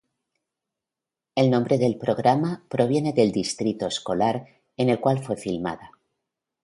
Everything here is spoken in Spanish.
El nombre del programa proviene del distrito escolar en el cual fue filmada.